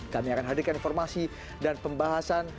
kami akan hadirkan informasi dan pembahasan